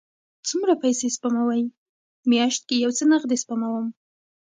څومره پیسی سپموئ؟ میاشت کې یو څه نغدي سپموم